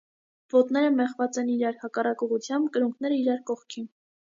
Ոտները մեխված են իրար հակառակ ուղղությամբ, կրունկները իրար կողքի։